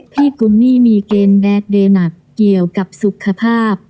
กุมนี่มีเกณฑ์แดดเดย์หนักเกี่ยวกับสุขภาพ